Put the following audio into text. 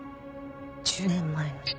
１０年前の事件。